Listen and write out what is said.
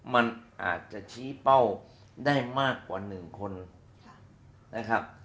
มันอาจจะชี้เป้าได้มากกว่า๑คนนะครับ